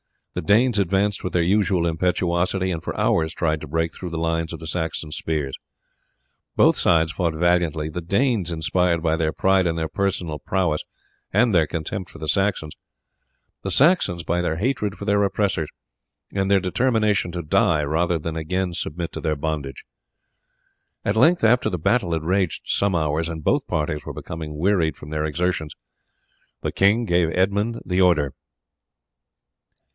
The Danes advanced with their usual impetuosity, and for hours tried to break through the lines of the Saxon spears. Both sides fought valiantly, the Danes inspired by their pride in their personal prowess and their contempt for the Saxons; the Saxons by their hatred for their oppressors, and their determination to die rather than again submit to their bondage. At length, after the battle had raged some hours, and both parties were becoming wearied from their exertions, the king gave Edmund the order.